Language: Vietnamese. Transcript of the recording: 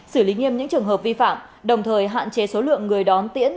xử lý nghiêm những trường hợp vi phạm đồng thời hạn chế số lượng người đón tiễn